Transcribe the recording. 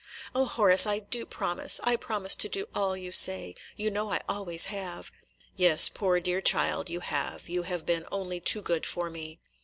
"O Horace, I do promise, – I promise to do all you say. You know I always have." "Yes, poor dear child, you have; you have been only too good for me."